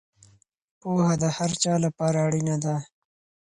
پوهه د هر چا لپاره اړینه ده.